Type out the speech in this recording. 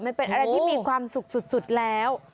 มันเป็นอะไรที่มีความสุขสุดแล้ว